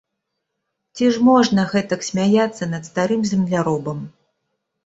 Ці ж можна гэтак смяяцца над старым земляробам?